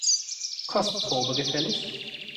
Kostprobe gefällig?